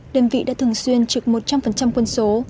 đơn vị đã thường xuyên trực một trăm linh quân số